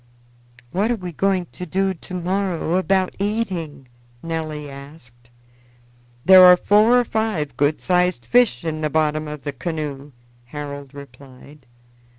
"What are we going to do to morrow about eating?" Nelly asked. "There are four or five good sized fish in the bottom of the canoe," Harold replied.